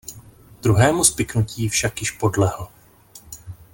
Druhému spiknutí však již podlehl.